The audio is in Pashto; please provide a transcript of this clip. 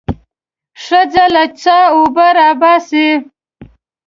ښځه له څاه اوبه راباسي.